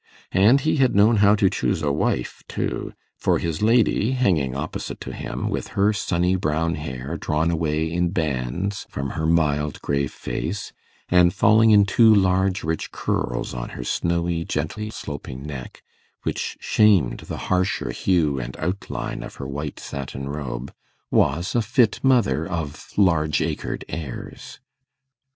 And he had known how to choose a wife, too, for his lady, hanging opposite to him, with her sunny brown hair drawn away in bands from her mild grave face, and falling in two large rich curls on her snowy gently sloping neck, which shamed the harsher hue and outline of her white satin robe, was a fit mother of 'large acred' heirs.